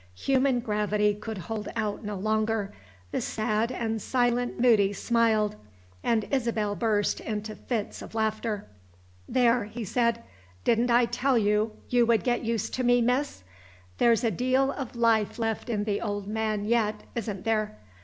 human gravity could hold out no longer. The sad and silent Moody smiled, and Isabel burst into fits of laughter. "There," he said "didn't I tell you you would get used to me, Miss? There's a deal of life left in the old man yet isn't there?